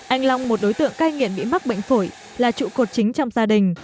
anh long một đối tượng cai nghiện bị mắc bệnh phổi là trụ cột chính trong gia đình